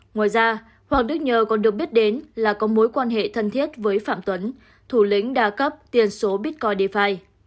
ngoài ra hoàng đức nhờ còn được biết đến là có mối quan hệ thân thiết với phạm tuấn thủ lĩnh đa cấp tiền số bitcoin d fire